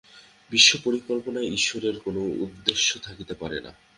বিশ্ব-পরিকল্পনায় ঈশ্বরের কোন উদ্দেশ্য থাকিতে পারে না।